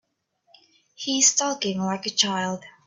He's talking like a child.